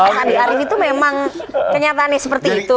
ferdinand itu memang kenyataannya seperti itu